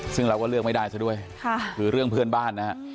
ซึ่งเราก็เลือกไม่ได้ซะด้วยคือเรื่องเพื่อนบ้านนะฮะ